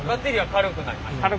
軽くなりました。